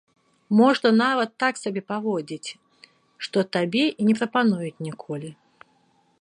Можна нават так сябе паводзіць, што табе і не прапануюць ніколі.